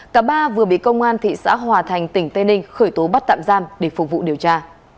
cả ba vừa bị công an thị xã hòa thành tỉnh tây ninh khởi tố bắt tạm giam để phục vụ điều tra